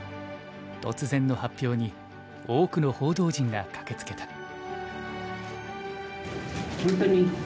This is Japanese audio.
突然の発表に多くの報道陣が駆けつけた。